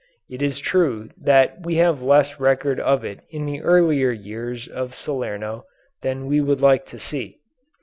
It is true that we have less record of it in the earlier years of Salerno than we would like to see.